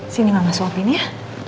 sini mama suapin ya